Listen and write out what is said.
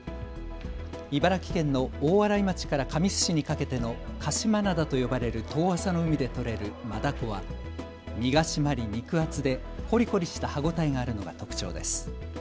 茨城県の大洗町から神栖市にかけての鹿島灘と呼ばれる遠浅の海で取れるマダコは身が締まり肉厚でこりこりした歯応えがあるのが特徴です。